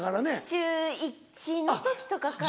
中１の時とかかな。